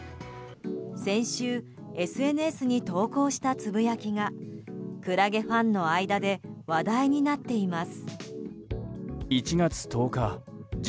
先週ＳＮＳに投稿したつぶやきがクラゲファンの間で話題になっています。